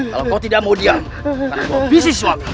kalau kau tidak mau diam karena kau bisnis wang